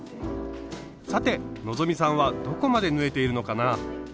さて希さんはどこまで縫えているのかな？